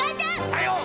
さよう！